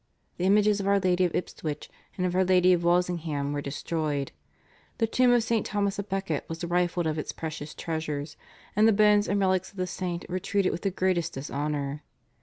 The images of Our Lady of Ipswich and of Our Lady of Walsingham were destroyed; the tomb of St. Thomas à Becket was rifled of its precious treasures, and the bones and relics of the saint were treated with the greatest dishonour.